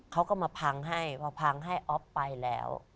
เขาก็มาพังให้พอพังให้อ๊อฟไปแล้ว